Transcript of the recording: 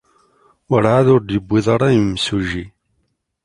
Werɛad ur d-yewwiḍ ara yimsujji.